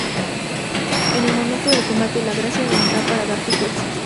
En el momento del combate, la gracia vendrá para darte fuerza.